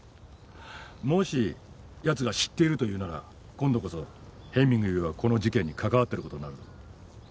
もし奴が知っているというなら今度こそヘミングウェイはこの事件に関わっている事になる。